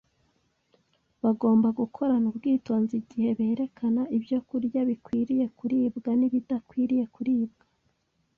Bagomba gukorana ubwitonzi igihe berekana ibyokurya bikwiriye kuribwa n’ibidakwiriye kuribwa.